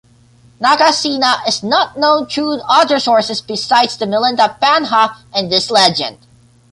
Nagasena is not known through other sources besides the Milinda Panha and this legend.